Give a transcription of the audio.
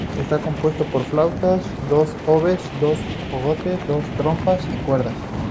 Está compuesto para flauta, dos oboes, dos fagotes, dos trompas, y cuerdas.